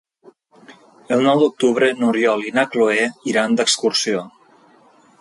El nou d'octubre n'Oriol i na Cloè iran d'excursió.